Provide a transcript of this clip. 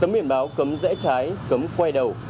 tấm biển báo cấm rẽ trái cấm quay đầu